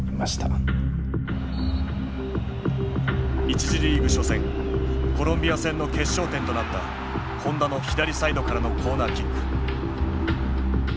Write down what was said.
一次リーグ初戦コロンビア戦の決勝点となった本田の左サイドからのコーナーキック。